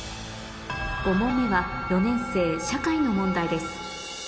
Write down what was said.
５問目は４年生社会の問題です